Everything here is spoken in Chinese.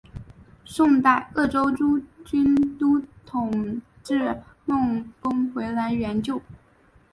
宋朝鄂州诸军都统制孟珙回来援救。